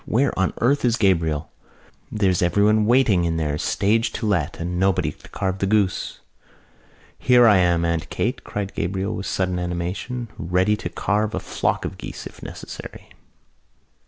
"Where on earth is Gabriel? There's everyone waiting in there, stage to let, and nobody to carve the goose!" "Here I am, Aunt Kate!" cried Gabriel, with sudden animation, "ready to carve a flock of geese, if necessary."